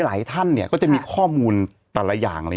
หลายท่านก็จะมีข้อมูลแต่ละอย่าง